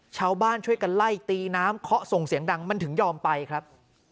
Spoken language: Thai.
ชาวบ้านช่วยกันไล่ตีน้ำเคาะส่งเสียงดังมันถึงยอมไปครับ